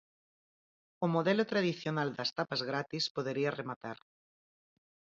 O modelo tradicional das tapas gratis podería rematar.